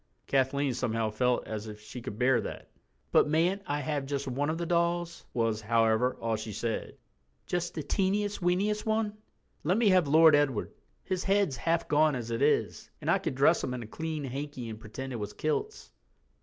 Kathleen somehow felt as if she could bear that. "But mayn't I have just one of the dolls" was, however, all she said, "just the teeniest, weeniest one? Let me have Lord Edward. His head's half gone as it is, and I could dress him in a clean hanky and pretend it was kilts."